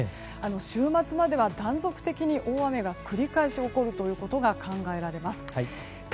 週末までは断続的に大雨が繰り返し起こることが考えられます。